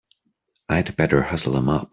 I'd better hustle him up!